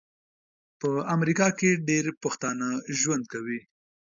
په امریکا کې ډیر پښتانه ژوند کوي